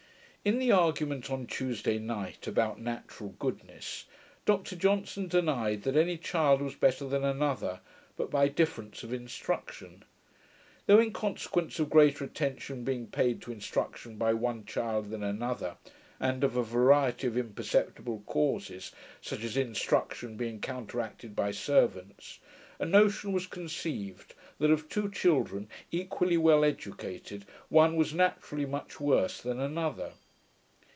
In the argument on Tuesday night, about natural goodness, Dr Johnson denied that any child was better than another, but by difference of instruction; though, in consequence of greater attention being paid to instruction by one child than another, and of a variety of imperceptible causes, such as instruction being counteracted by servants, a notion was conceived, that of two children, equally well educated, one was naturally much worse than another.